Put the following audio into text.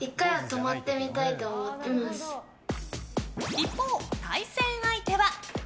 一方、対戦相手は。